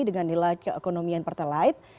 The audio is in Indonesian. dengan nilai keekonomian pertelit